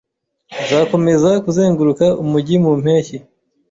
Nzakomeza kuzenguruka umujyi mu mpeshyi.